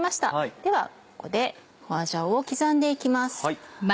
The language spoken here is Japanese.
ではここで花椒を刻んで行きます。